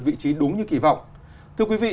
vị trí đúng như kỳ vọng thưa quý vị